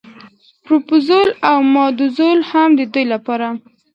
پروپوزل او ماداوزل هم د دوی لپاره.